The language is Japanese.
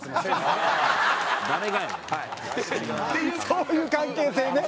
そういう関係性ね？